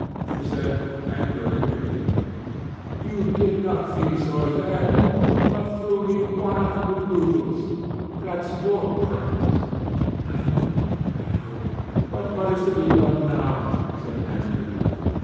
she said, angrily mimicking him. "You did not feel so then, but threw me 100 roubles. That's your price." "I know, I know; but what is to be done now?" said Nekhludoff.